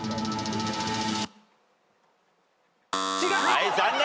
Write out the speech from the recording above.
はい残念！